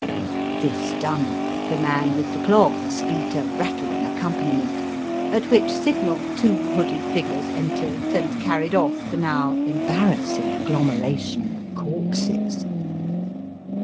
This done the man with the clogs beat a rattUng accompaniment, at which signal two hooded figures entered and carried off the now embarrassing agglomeration of corpses.